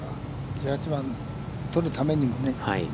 １８番を取るためにもね。